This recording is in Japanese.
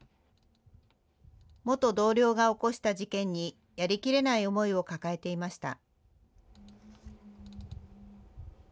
元同僚が起こした事件に、やりきれない思いを抱えていました。